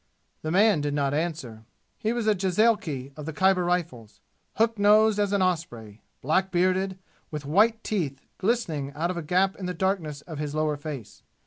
The man did not answer. He was a jezailchi of the Khyber Rifles hook nosed as an osprey black bearded with white teeth glistening out of a gap in the darkness of his lower face.